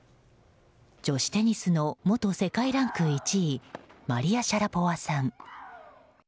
女子テニスの元世界ランク１位マリア・シャラポワさん。